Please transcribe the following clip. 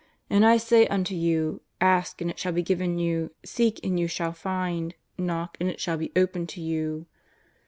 And X say unto you, x\sk, and it shall be given you ; seek, and you shall find ; knock, and it shall be opened to you."